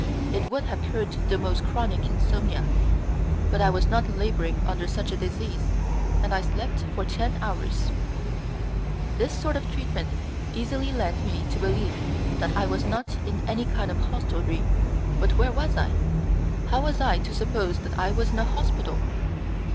It would have cured the most chronic insomnia, but I was not labouring under such a disease, and I slept for ten hours. This sort of treatment easily led me to believe that I was not in any kind of hostelry; but where was I? How was I to suppose that I was in a hospital?